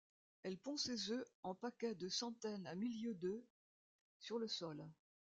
Elle pond ses œufs en paquets de centaines à milliers d'œufs, sur le sol.